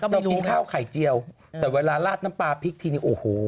เรากินข้าวไข่เจียวแต่เวลาลาดน้ำปลาพริกทีนี้โอ้โห